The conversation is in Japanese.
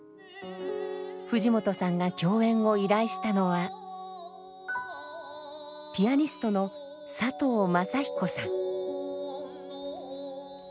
藤本さんが共演を依頼したのはピアニストの佐藤允彦さん。